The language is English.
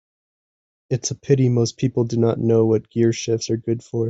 It's a pity most people do not know what gearshifts are good for.